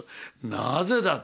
なぜだ？